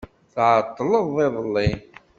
Tεeṭṭleḍ iḍelli.